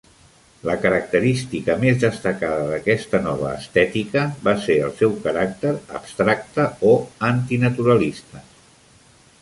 La característica més destacada d'aquesta nova estètica va ser el seu caràcter "abstracte" o antinaturalista.